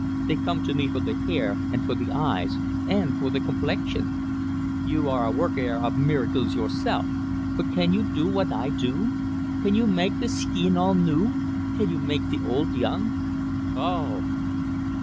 They come to me for the hair, and for the eyes, and for the complexion. You are a workair of miracles yourself but can you do what I do? Can you make the skeen all new? Can you make the old young?" "O o o o o o o o oh!"